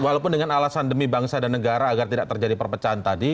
walaupun dengan alasan demi bangsa dan negara agar tidak terjadi perpecahan tadi